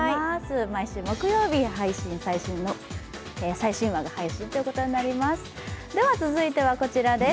毎週木曜日、最新話が配信ということになります。